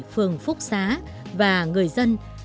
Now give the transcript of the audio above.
phương phúc xá và người dân